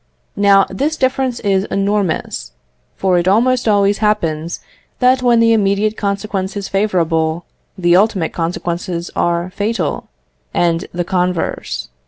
Now this difference is enormous, for it almost always happens that when the immediate consequence is favourable, the ultimate consequences are fatal, and the converse.